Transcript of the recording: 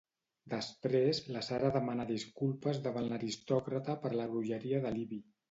Després, la Sarah demana disculpes davant l'aristòcrata per la grolleria de Libby.